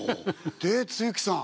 で露木さん